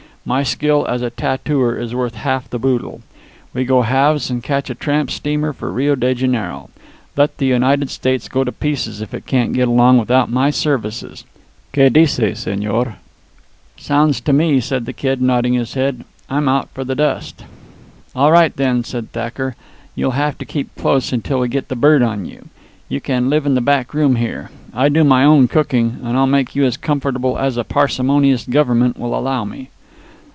My skill as a tattooer is worth half the boddle. We go halves and catch a tramp steamer for Rio Janeiro. Let the United States go to pieces if it can't get along without my services. Que dice, señor?" "It sounds to me!" said the Kid, nodding his head. "I'm out for the dust." "All right, then," said Thacker. "You'll have to keep close until we get the bird on you. You can live in the back room here. I do my own cooking, and I'll make you as comfortable as a parsimonious Government will allow me."